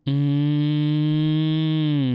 อืม